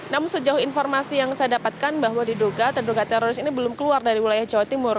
namun sejauh informasi yang saya dapatkan bahwa diduga terduga teroris ini belum keluar dari wilayah jawa timur